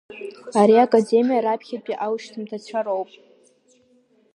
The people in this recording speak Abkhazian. Ари Академиа раԥхьатәи аушьҭымҭацәа роуп.